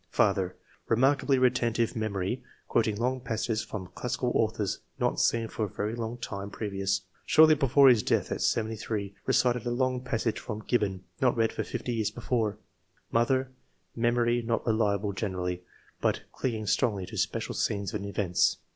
" Father — Kemarkably retentive memory ; quoted long passages from classical authors not seen for a very long time previous. Shortly before his death, at 73, recited a long passage from * Gibbon/ not read for fifty years before. Mother — Memory not reliable generally, but clinging strongly to special scenes and events.'